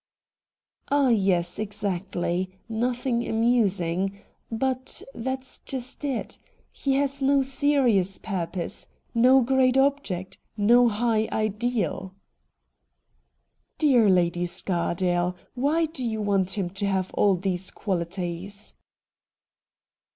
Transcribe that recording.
' Ah, yes, exactly, nothing amusing. But that's just it. He has no serious purpose, no great object, no high ideal.' ' Dear Lady Scardale, why do you want him to have all these qualities